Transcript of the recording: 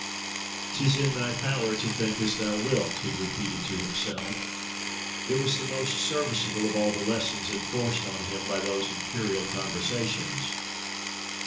"'Tis in thy power to think as thou wilt:" he repeated to himself: it was the most serviceable of all the lessons enforced on him by those imperial conversations.